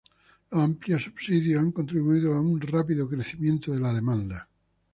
Los amplios subsidios han contribuido a un rápido crecimiento de la demanda.